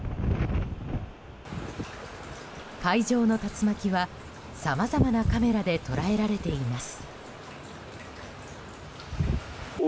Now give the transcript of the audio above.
海上の竜巻はさまざまなカメラで捉えられています。